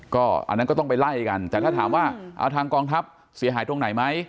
ก็อันนั้นก็ต้องไปไล่กันแต่ถ้าถามว่าเอาทางกองทัพเสียหายตรงไหนไหม